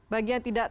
bagi yang tidak